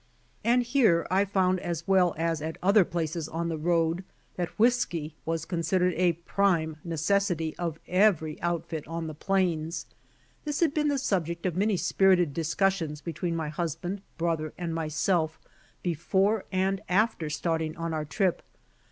And here I found as well as at other places on the road that whiskey was considered a prime necessity of every outfit on the plains. This had been the sub ject of many spirited discussions between my husband, brother and myself before and after starting on our trip.